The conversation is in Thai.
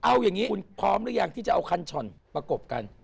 เอาอย่างนี้คุณพร้อมหรือยังที่จะเอาคันช่อนประกบกัน